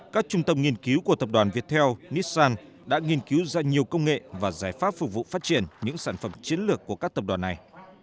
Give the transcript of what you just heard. các trung tâm nghiên cứu của tập đoàn viettel nissan đã nghiên cứu ra nhiều công nghệ và giải pháp phục vụ phát triển những sản phẩm chiến lược của các tập đoàn này